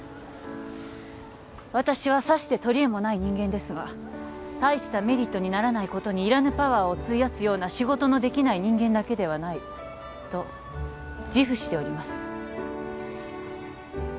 私はさして取り柄もない人間ですが大したメリットにならないことにいらぬパワーを費やすような仕事のできない人間だけではないと自負しております